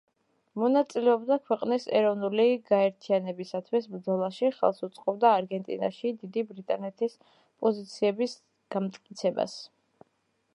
მონაწილეობდა ქვეყნის ეროვნული გაერთიანებისათვის ბრძოლაში, ხელს უწყობდა არგენტინაში დიდი ბრიტანეთის პოზიციების განმტკიცებას.